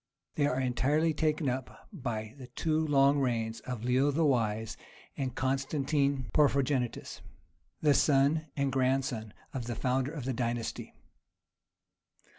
They are entirely taken up by the two long reigns of Leo the Wise and Constantine Porphyrogenitus,(25) the son and grandson of the founder of the dynasty.